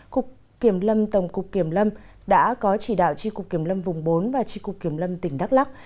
cục kiểm lâm tổng cục kiểm lâm đã có chỉ đạo tri cục kiểm lâm vùng bốn và tri cục kiểm lâm tỉnh đắk lắc